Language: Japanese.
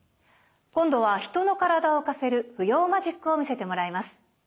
今度は人の体を浮かせる浮揚マジックを見せてもらいます。